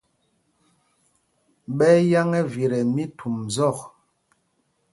Ɓɛ́ ɛ́ yâŋ ɛvit ɛ mí Thumzɔ̂k.